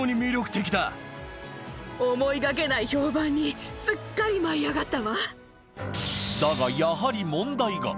思いがけない評判に、すっかだが、やはり問題が。